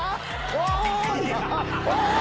おい！